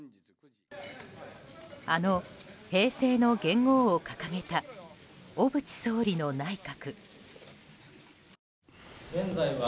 あの平成の元号を掲げた小渕総理の内閣。